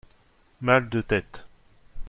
mal de tête.